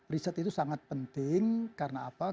riset itu sangat penting karena apa